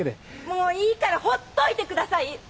もういいからほっといてください！